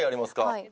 はい。